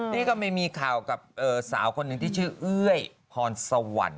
นี่ก็ไม่มีข่าวกับสาวคนหนึ่งที่ชื่อเอ้ยพรสวรรค์